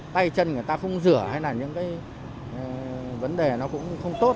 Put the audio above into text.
tay chân người ta không rửa hay là những cái vấn đề nó cũng không tốt